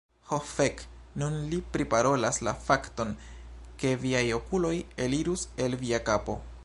Ho fek. Nun li priparolas la fakton, ke viaj okuloj elirus el via kapo.